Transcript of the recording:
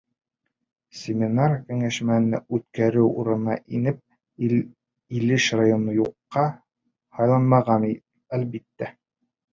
Семинар-кәңәшмәне үткәреү урыны итеп Илеш районы юҡҡа һайланмаған, әлбиттә.